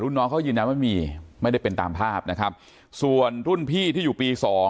หรือน้องเขายืนน้ำไม่มีไม่ได้เป็นตามภาพส่วนรุ่นพี่ที่อยู่ปี๒